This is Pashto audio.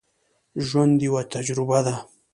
ژوند یوه تجربه ده.